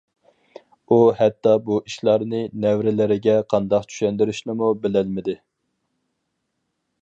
ئۇ ھەتتا بۇ ئىشلارنى نەۋرىلىرىگە قانداق چۈشەندۈرۈشنىمۇ بىلەلمىدى.